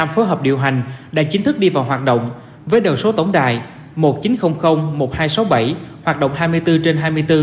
một trăm một mươi năm phối hợp điều hành đã chính thức đi vào hoạt động với đều số tổng đài một chín không không một hai sáu bảy hoạt động hai mươi bốn trên hai mươi bốn